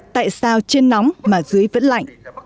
tại sao trên nóng mà dưới vẫn lạnh